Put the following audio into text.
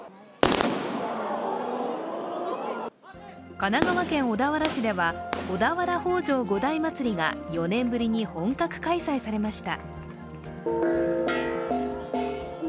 神奈川県小田原市では小田原北條五代祭りが４年ぶりに本格開催されました。